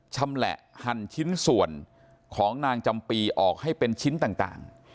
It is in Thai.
ชำแหละหั่นชิ้นส่วนของนางจำปีออกให้เป็นชิ้นต่าง